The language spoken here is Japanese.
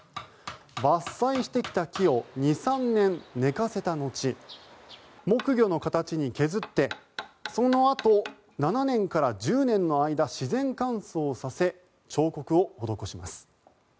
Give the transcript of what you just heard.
伐採してきた木を２３年寝かせた後木魚の形に削ってそのあと７年から１０年の間自然乾燥させ、彫刻を施します。